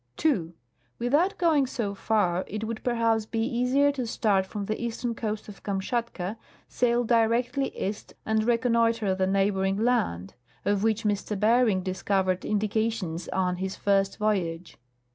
"2. Without going so far, it would perhaps be easier to start from the eastern coast of Kamshatka, sail directly east and reconnoitre the neigh boring land, of which M. Bering discovered indications on his first voyage.'